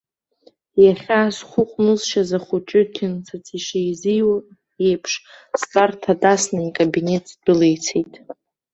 Иахьа, зхәы ҟәнызшьаз ахәыҷы қьынцыц ишизыруа еиԥш, стәарҭа дасны икабинет сдәылицеит!